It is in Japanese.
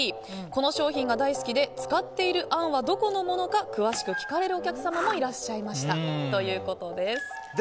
この商品が大好きで使っているあんはどこのものか詳しく聞かれるお客様もいらっしゃいましたということです。